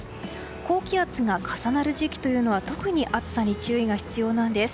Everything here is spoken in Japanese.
高気圧が重なる時期というのは特に暑さに注意が必要なんです。